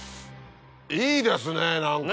いいですね何か！